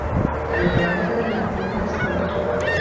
Але для гэтага неабходныя сродкі.